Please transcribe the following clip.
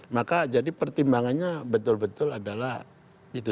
maka jadi pertimbangannya betul betul adalah itu